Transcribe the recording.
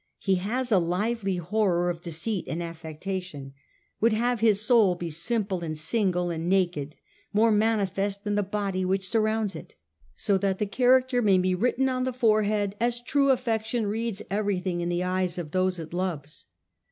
He has a lively horror of deceit and affectation, would have his soul be X. I. '' simple and single and naked, more manifest than the body which surrounds it,* so that the character may be written on the forehead as ' true affection reads everything in the eyes of those it loves.